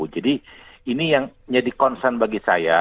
jadi ini yang menjadi concern bagi saya